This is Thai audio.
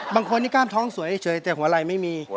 บางคนนี่กล้ามท้องสวยเฉยแต่หัวไหล่ไม่มี